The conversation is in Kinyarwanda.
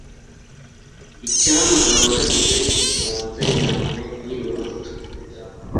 Icyampa nkaba narize Igifaransa cyane nkiri muto